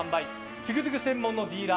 トゥクトゥク専門のディーラー